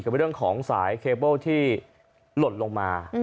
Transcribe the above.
กับเรื่องของสายเคเบิ้ลที่หล่นลงมา